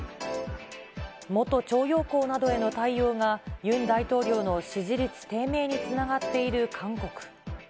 元徴用工などへの対応がユン大統領の支持率低迷につながっている韓国。